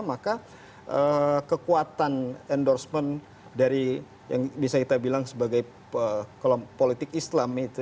maka kekuatan endorsement dari yang bisa kita bilang sebagai politik islam itu